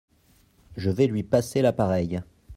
Je vais lui passer l’appareil.